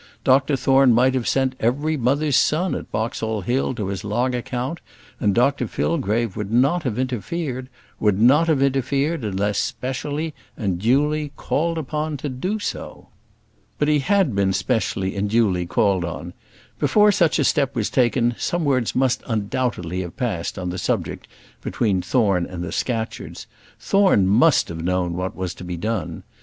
Dr Thorne might have sent every mother's son at Boxall Hill to his long account, and Dr Fillgrave would not have interfered; would not have interfered unless specially and duly called upon to do so. But he had been specially and duly called on. Before such a step was taken some words must undoubtedly have passed on the subject between Thorne and the Scatcherds. Thorne must have known what was to be done.